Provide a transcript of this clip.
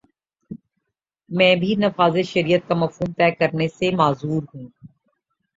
میں بھی نفاذ شریعت کا مفہوم طے کرنے سے معذور ہوں۔